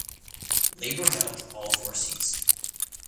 Labour held all four seats.